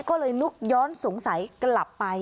ก็เลยลุกย้อนสงสัยกลับไป